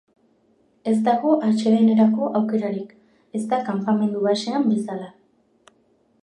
Ez dago atsedenerako aukerarik, ez da kanpamendu basean bezala.